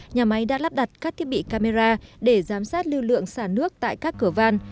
nhà máy đã lắp đặt các thiết bị camera để giám sát lưu lượng xả nước tại các cửa van